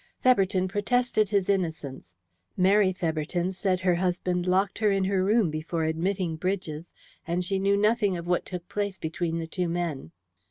Theberton protested his innocence; Mary Theberton said her husband locked her in her room before admitting Bridges, and she knew nothing of what took place between the two men.